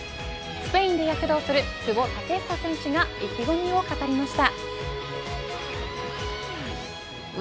スペインで躍動する久保建英選手が意気込みを語りました。